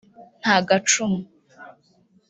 (nta gacumu